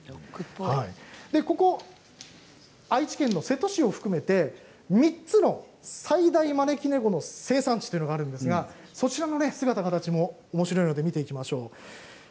ここ愛知県瀬戸市を含めて３つの最大招き猫の生産地というのがあるんですがそちらの姿形もおもしろいので見ていきましょう。